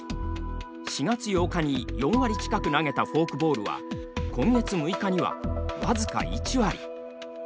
４月８日に４割近く投げたフォークボールは今月６日には僅か１割。